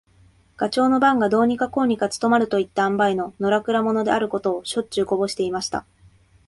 ガチョウの番がどうにかこうにか務まるといった塩梅の、のらくら者であることを、しょっちゅうこぼしていました。